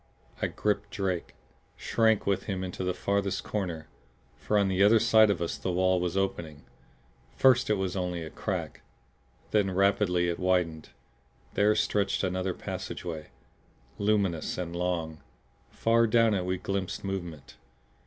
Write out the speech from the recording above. I gripped Drake; shrank with him into the farthest corner for on the other side of us the wall was opening. First it was only a crack; then rapidly it widened. There stretched another passageway, luminous and long; far down it we glimpsed movement.